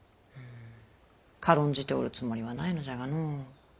軽んじておるつもりはないのじゃがの。